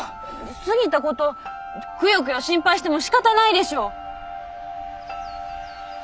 過ぎたことをクヨクヨ心配してもしかたないでしょう。